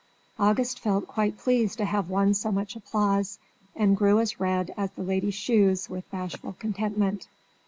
August felt quite pleased to have won so much applause, and grew as red as the lady's shoes with bashful contentment.